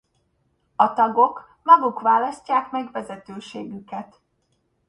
A tagok maguk választják meg vezetőségüket.